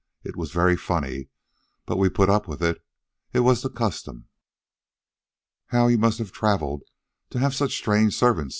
It was very funny. But we put up with it. It was the custom." "How you must have traveled to have such strange servants!"